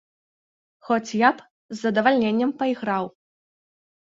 Хоць я б з задавальненнем пайграў.